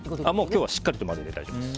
今日はしっかり混ぜて大丈夫です。